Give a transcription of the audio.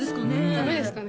ダメですかね？